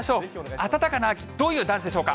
暖かな秋、どういうダンスでしょうか？